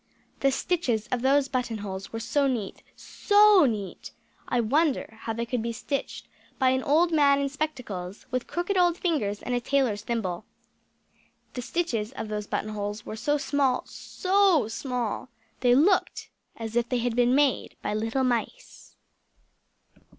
The stitches of those button holes were so neat so neat I wonder how they could be stitched by an old man in spectacles, with crooked old fingers, and a tailor's thimble. The stitches of those button holes were so small so small they looked as if they had been made by little mice!